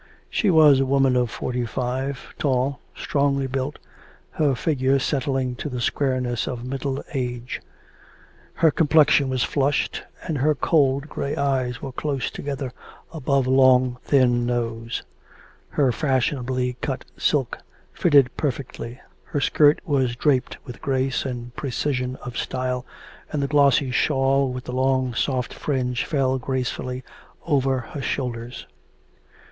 She was a woman of forty five, tall, strongly built, her figure setting to the squareness of middle age. Her complexion was flushed, and her cold grey eyes were close together above a long thin nose. Her fashionably cut silk fitted perfectly; the skirt was draped with grace and precision of style, and the glossy shawl with the long soft fringe fell gracefully over her shoulders.